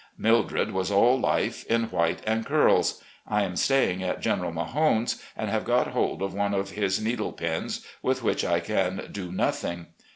Mildred was all Hfe, in white and curls. I am sta3dng at General Mahone's and have got hold of one of his needle pens, with which I can do nothing.